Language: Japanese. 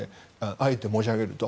あえて申し上げると。